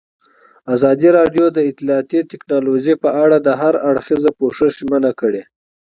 ازادي راډیو د اطلاعاتی تکنالوژي په اړه د هر اړخیز پوښښ ژمنه کړې.